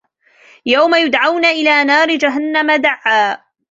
يَوْمَ يُدَعُّونَ إِلَى نَارِ جَهَنَّمَ دَعًّا